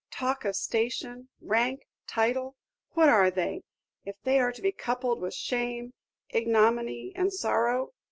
Talk of station, rank, title what are they, if they are to be coupled with shame, ignominy, and sorrow?